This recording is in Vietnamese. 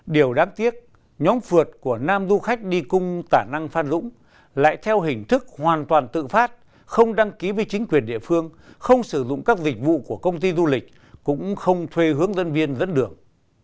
điều đáng tiếc nhóm phượt của nam du khách đi cung tài năng phan dũng lại theo hình thức hoàn toàn tự phát không đăng ký với chính quyền địa phương không sử dụng các dịch vụ của công ty du lịch cũng không thuê hướng dẫn viên dẫn đường